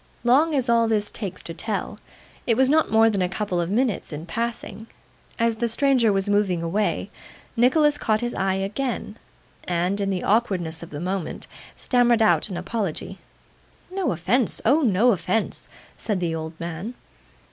Long as all this takes to tell, it was not more than a couple of minutes in passing. As the stranger was moving away, Nicholas caught his eye again, and, in the awkwardness of the moment, stammered out an apology. 'No offence. Oh no offence!' said the old man.